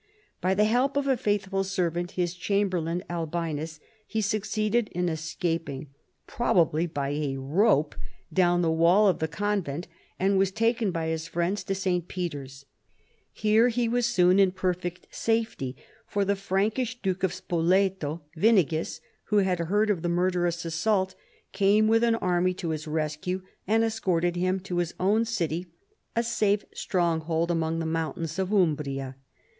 By the help of a faithful servant, his chamberlain Albinus, he succeeded in escaping — probably by a rope — down the wall of the convent, and was taken by his friends to St. Peter's. Here he was soon in perfect safety, for the Frankish duke of Spoleto, Winighis, who had. heard of the murderous assault, came with an army to his rescue and escorted him to his own city, a safe stronghold among the mountains of Umbria.